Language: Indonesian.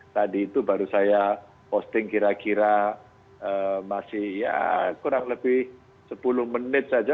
tadi itu baru saya posting kira kira masih ya kurang lebih sepuluh menit saja